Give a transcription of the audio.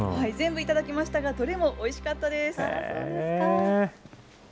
全部頂きましたが、どれもおいしかったです。